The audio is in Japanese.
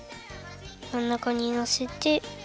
まんなかにのせて。